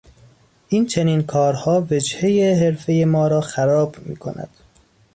این چنین کارها وجههی حرفهی ما را خراب میکند.